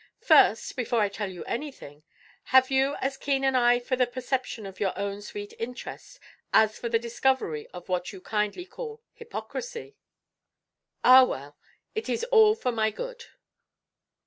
"First, before I tell you anything, have you as keen an eye for the perception of your own sweet interest as for the discovery of what you kindly call 'hypocrisy?' Ah well, it is all for my good."